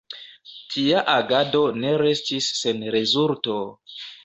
Tia agado ne restis sen rezulto.